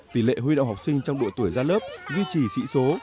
tỷ lệ huy động học sinh trong độ tuổi ra lớp duy trì sĩ số